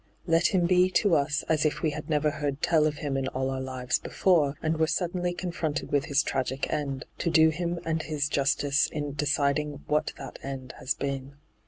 Let him be to us as if we had never heard tell of him in all our lives before, and were suddenly confronted with his tr^ic end, to do him and his justice in deciding what that end has been.